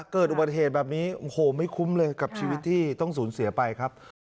เกิดอุบัติเหตุแบบนี้โอ้โหไม่คุ้มเลยกับชีวิตที่ต้องสูญเสียไปครับ